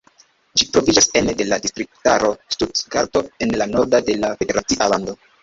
Ĝi troviĝas ene de la distriktaro Stutgarto, en la nordo de la federacia lando.